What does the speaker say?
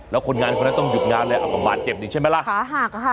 แล้วคนงานคนนั้นต้องหยุดงานเลยเอาบาดเจ็บอีกใช่ไหมล่ะขาหักอะค่ะ